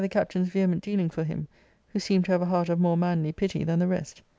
captain's vehement dealing for him, who seemed to have a heart of more manly pity than the rest.